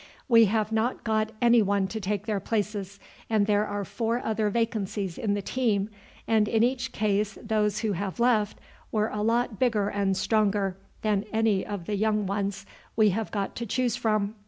We have not got any one to take their places, and there are four other vacancies in the team, and in each case those who have left were a lot bigger and stronger than any of the young ones we have got to choose from.